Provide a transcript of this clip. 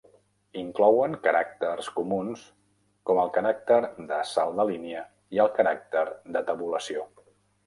Inclouen caràcters comuns com el caràcter de salt de línia i el caràcter de tabulació.